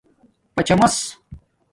پچامس